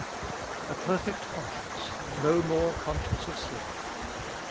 2. A perfect conscience. No more conscience of sin.